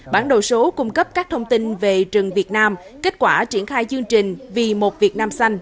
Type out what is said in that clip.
bản đồ số cung cấp các thông tin về rừng việt nam kết quả triển khai chương trình vì một việt nam xanh